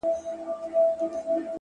پرمختګ د دوامداره اصلاح نتیجه ده!